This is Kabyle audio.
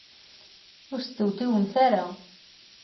Ur stewtiwemt ara.